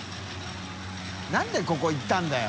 燭ここ行ったんだよ。